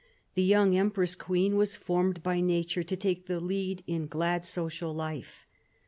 The young empress queen was formed by nature to take the lead in glad social life.